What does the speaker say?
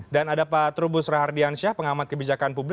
dan ada pak trubus rahardiansyah pengamat kebijakan publik